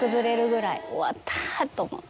終わったと思って。